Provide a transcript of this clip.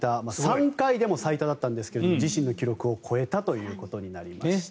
３回でも最多だったんですが自身の記録を超えたということになりました。